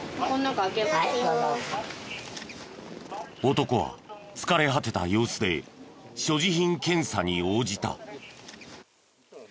男は疲れ果てた様子で所持品検査に応じた。